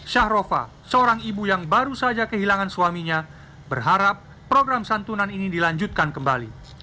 syahrofa seorang ibu yang baru saja kehilangan suaminya berharap program santunan ini dilanjutkan kembali